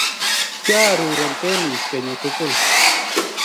kiaureren teniis kenyu tukul